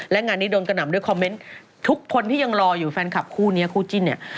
และงานนี้โดนกระหน่ำด้วยคอมเมนต์ทุกคนที่ยังรออยู่แฟนคลับคู่นี้คู่จิ้นเนี่ย